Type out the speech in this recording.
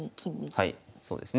はいそうですね